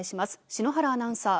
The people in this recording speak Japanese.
篠原アナウンサー。